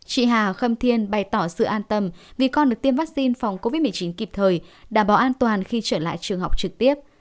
chị hà khâm thiên bày tỏ sự an tâm vì con được tiêm vaccine phòng covid một mươi chín kịp thời đảm bảo an toàn khi trở lại trường học trực tiếp